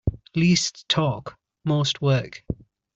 Least talk most work.